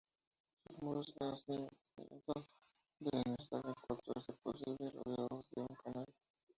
Sus muros de cerramiento deben estar en cuanto sea posible, rodeados de un canal.